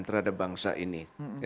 terhadap bangsa ini